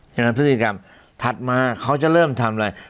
พฤติกรรมถัดมาเขาจะเริ่มทำอะไร